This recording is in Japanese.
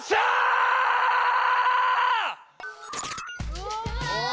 うわ！